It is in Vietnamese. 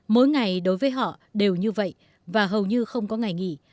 mỗi ngày đối với họ đều như vậy và hầu như không có ngày nghỉ